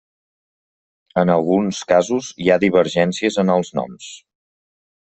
En alguns casos hi ha divergències en els noms.